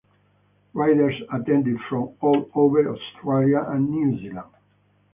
Riders attended from all over Australia and New Zealand.